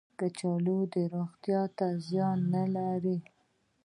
کچالو روغتیا ته زیان نه لري